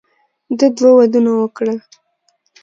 ده دوه ودونه وکړل.